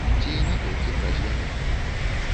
Ці не толькі праз ляноту.